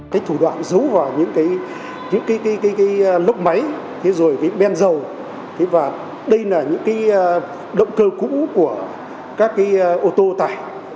cái thủ đoạn dấu vào những lốc máy rồi cái ben dầu và đây là những cái động cơ cũ của các cái ô tô tải